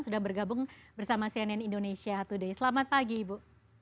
sudah bergabung bersama cnn indonesia today selamat pagi ibu